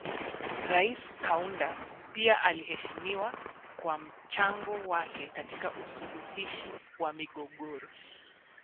Rais Kaunda pia aliheshimiwa kwa mchango wake katika usuluhishi wa migogoro